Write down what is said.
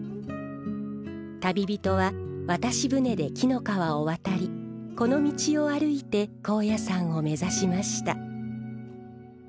旅人は渡し船で紀の川を渡りこの道を歩いて高野山を目指しました。